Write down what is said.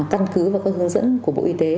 căn cứ và các hướng dẫn của bộ y tế